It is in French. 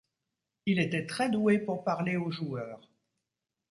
Il était très doué pour parler aux joueurs.